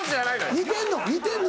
似てんの？